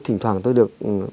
thỉnh thoảng tôi được